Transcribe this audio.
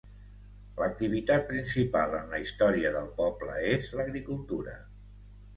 L'activitat principal en la història del poble és l'agricultura.